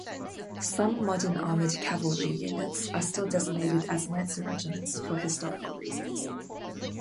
Some modern armored cavalry units are still designated as lancer regiments for historical reasons.